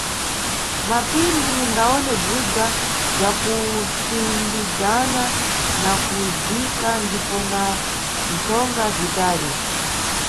Mmapiri tiningawone bzigwa bzakupsindizana nakuzika ndipo na mtsonga zitali.